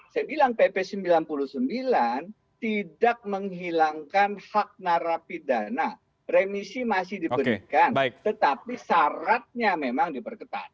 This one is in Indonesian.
saya bilang pp sembilan puluh sembilan tidak menghilangkan hak narapidana remisi masih diberikan tetapi syaratnya memang diperketat